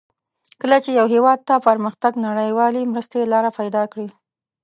کله چې یو هېواد ته پرمختګ نړیوالې مرستې لار پیداکوي.